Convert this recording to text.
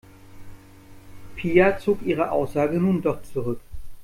Pia zog ihre Aussage nun doch zurück.